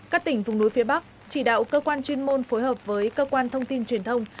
các tỉnh vùng núi phía bắc chỉ đạo cơ quan chuyên môn phối hợp với cơ quan thông tin truyền thông